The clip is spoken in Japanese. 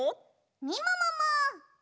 みももも！